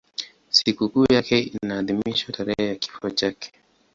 Sikukuu yake inaadhimishwa tarehe ya kifo chake.